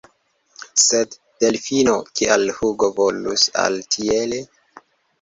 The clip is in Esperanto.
Sed, Delfino, kial Hugo volus agi tiele?